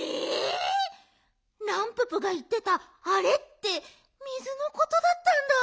ランププがいってた「あれ」って水のことだったんだ。